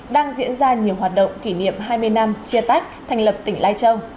đang diễn ra nhiều hoạt động kỷ niệm hai mươi năm chia tách thành lập tỉnh lai châu